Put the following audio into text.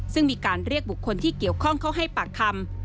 ซึ่งมีการเรียกบุคคลที่เกี่ยวข้องเข้าให้ปากคำ